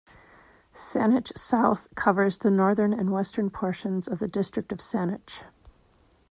Saanich South covers the northern and western portions of the District of Saanich.